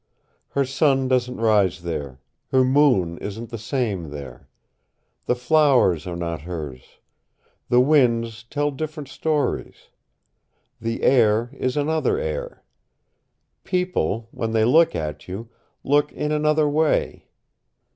Her sun doesn't rise there. Her moon isn't the same there. The flowers are not hers. The winds tell different stories. The air is another air. People, when they look at you, look in another way.